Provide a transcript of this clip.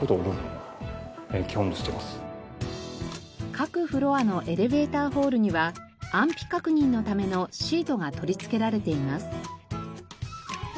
各フロアのエレベーターホールには安否確認のためのシートが取り付けられています。